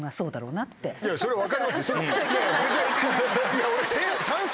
いや俺。